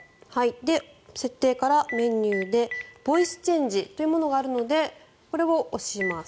設定からメニューでボイスチェンジというものがあるのでこれを押します。